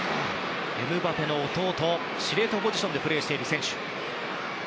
エムバペの弟司令塔のポジションでプレーする選手。